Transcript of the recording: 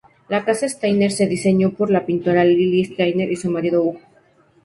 La casa Steiner se diseñó para la pintora Lilly Steiner y su marido Hugo.